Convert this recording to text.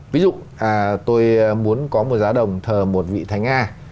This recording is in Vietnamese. ví dụ tôi muốn có một giá đồng thờ một vị thánh a